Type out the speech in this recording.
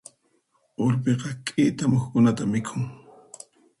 Urpiqa k'ita muhukunata mikhun.